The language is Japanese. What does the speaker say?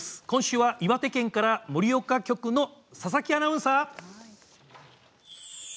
今週は岩手県から盛岡局の佐々木アナウンサー。